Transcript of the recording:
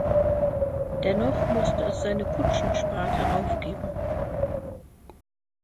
Dennoch musste es seine Kutschensparte aufgeben.